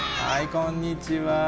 こんにちは。